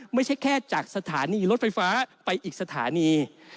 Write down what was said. ไม่ใช่แค่จากสถานีรถไฟฟ้าไปอีกสถานี